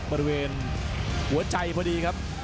บริเวณหัวใจพอดีครับ